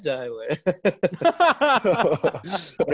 nggak ada alasan sih